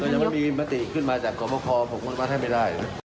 ก็ยังไม่มีมติขึ้นมาจากส่อบบ่อคอผมมันไม่ได้